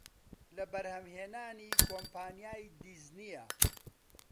لە بەرهەمهێنانی کۆمپانیای دیزنییە